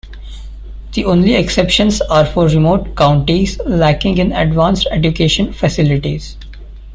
The only exceptions are for remote counties lacking in advanced education facilities.